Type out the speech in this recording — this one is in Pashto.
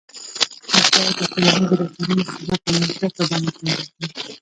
موږ باید د ټولنیزو رسنیو څخه په مثبته بڼه کار واخلو